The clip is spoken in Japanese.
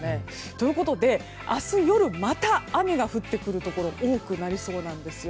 ということで明日夜また雨が降ってくるところ多くなりそうです。